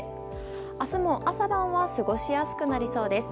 明日も朝晩は過ごしやすくなりそうです。